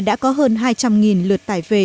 đã có hơn hai trăm linh lượt tải về